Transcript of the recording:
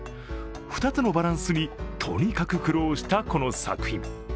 ２つのバランスにとにかく苦労したこの作品。